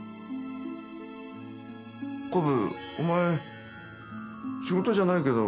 「こぶお前仕事じゃないけど」